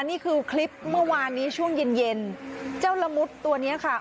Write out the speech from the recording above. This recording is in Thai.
นี่คือคลิปเมื่อวานนี้ช่วงเย็นเย็นเจ้าละมุดตัวเนี้ยค่ะ